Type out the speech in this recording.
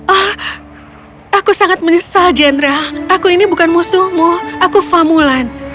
ah aku sangat menyesal jenderal aku ini bukan musuhmu aku famulan